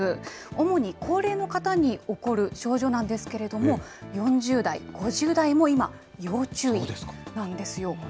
主に高齢の方に起こる症状なんですけれども、４０代、５０代も今、要注意なんですよ。